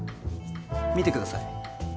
見てください